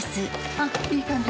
あっいい感じ。